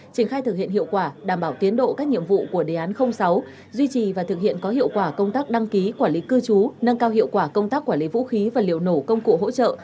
triển khai thực hiện hiệu quả đảm bảo tiến độ các nhiệm vụ của đề án sáu duy trì và thực hiện có hiệu quả công tác đăng ký quản lý cư trú nâng cao hiệu quả công tác quản lý vũ khí và liệu nổ công cụ hỗ trợ